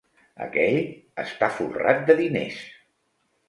Aquell està folrat de diners.